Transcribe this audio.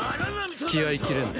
付き合いきれんな。